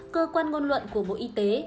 cơ quan ngôn luận của bộ y tế